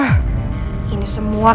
berikan cinta terima kasih